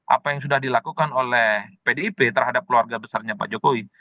apa yang sudah dilakukan oleh pdip terhadap keluarga besarnya pak jokowi